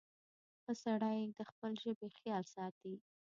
• ښه سړی د خپلې ژبې خیال ساتي.